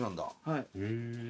はい。